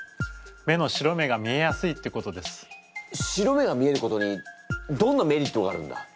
白目が見えることにどんなメリットがあるんだ？